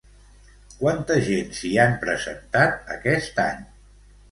Quanta gent s'hi han presentat aquest any?